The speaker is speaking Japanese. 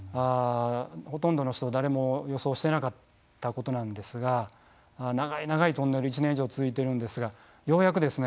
ほとんどの人誰も予想してなかったことなんですが長い長いトンネル１年以上続いているんですがようやくですね